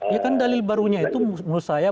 ya kan dalil barunya itu menurut saya